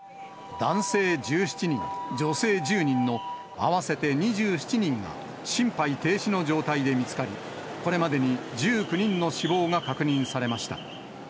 男性１７人、女性１０人の合わせて２７人が心肺停止の状態で見つかり、これまでに１９人の死亡が確認されました。